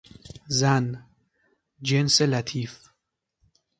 زن، جنس لطیف